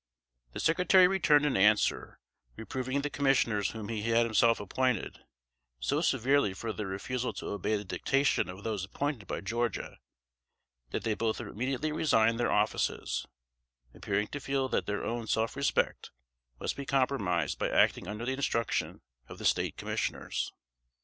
The Secretary returned an answer, reproving the commissioners whom he had himself appointed, so severely for their refusal to obey the dictation of those appointed by Georgia, that they both immediately resigned their offices, appearing to feel that their own self respect must be compromised by acting under the instruction of the State Commissioners.